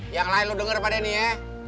yang lain lu denger pada ini ya